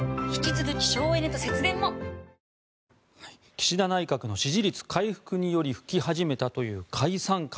岸田内閣の支持率回復により吹き始めたという解散風。